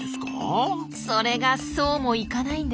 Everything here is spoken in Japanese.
それがそうもいかないんです。